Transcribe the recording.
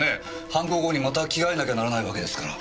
犯行後にまた着替えなきゃならないわけですから。